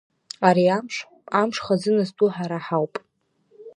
Ари амш, амш хазына зтәу ҳара ҳауп.